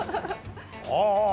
ああ。